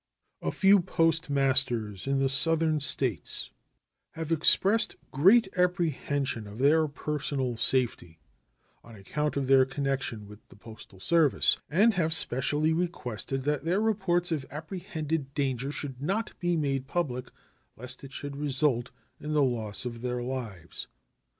A few postmasters in the Southern States have expressed great apprehension of their personal safety on account of their connection with the postal service, and have specially requested that their reports of apprehended danger should not be made public lest it should result in the loss of their lives.